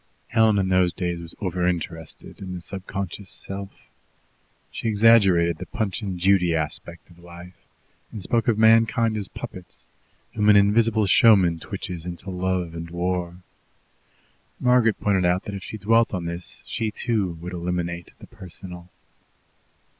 Helen in those days was over interested in the subconscious self. She exaggerated the Punch and Judy aspect of life, and spoke of mankind as puppets, whom an invisible showman twitches into love and war. Margaret pointed out that if she dwelt on this she, too, would eliminate the personal.